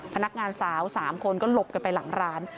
พนักงานสาว๓คนก็หลบกันไปหลังร้าน